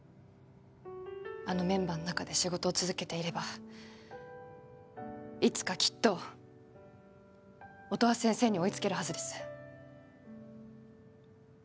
あのメンバーの中で仕事を続けていればいつかきっと音羽先生に追いつけるはずです